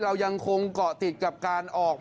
เรายังคงเกาะติดกับการออกมา